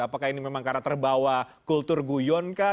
apakah ini memang karena terbawa kultur guyon kah